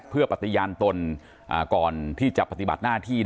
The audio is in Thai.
เพื่อยุดยั้งการสืบทอดอำนาจของขอสอชอต่อและยังพร้อมจะเป็นนายกรัฐมนตรี